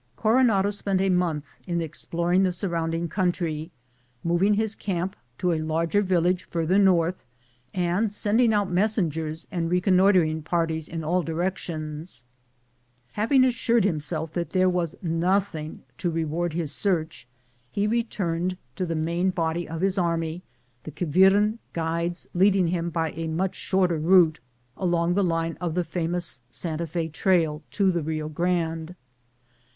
Coronado spent a month in exploring the surrounding country, moving his camp to a larger village further north, and sending out messengers and reconnoitering parties in all directions. Having assured himself that there was nothing to reward his search, he returned to the main body of his army, the Quiviran guides leading him by a much shorter route, along the line of the famous Santa Y6 trail, to the Bio Grande.